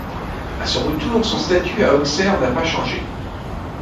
À son retour, son statut à Auxerre n'a pas changé.